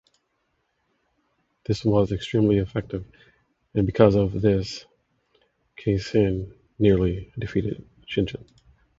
This was extremely effective and because of this Kenshin nearly defeated Shingen.